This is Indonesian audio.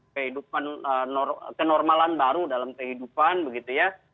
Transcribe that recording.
kehidupan kenormalan baru dalam kehidupan begitu ya